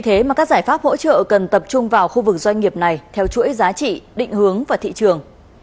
thế mà các giải pháp hỗ trợ cần tập trung vào khu vực doanh nghiệp này theo chuỗi giá trị định hướng và thị trường